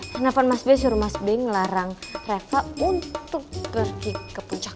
telepon mas b suruh mas b ngelarang reva untuk pergi ke puncak